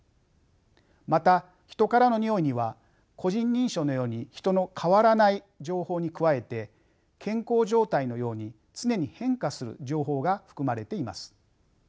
また人からのにおいには個人認証のように人の変わらない情報に加えて健康状態のように常に変化する情報が含まれています。